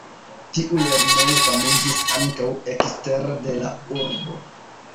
Tiu lernejo famiĝis ankaŭ ekstere de la urbo.